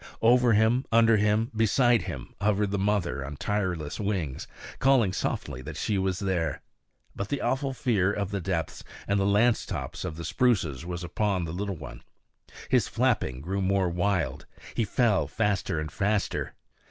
Over him, under him, beside him hovered the mother on tireless wings, calling softly that she was there. But the awful fear of the depths and the lance tops of the spruces was upon the little one; his flapping grew more wild; he fell faster and faster.